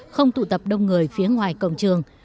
không tụ tập đông người phía ngoài cổng trường